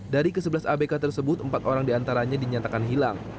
dari ke sebelas abk tersebut empat orang diantaranya dinyatakan hilang